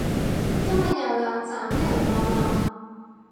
今日又有斬人案喇